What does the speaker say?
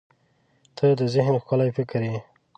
• ته د ذهن ښکلي فکر یې.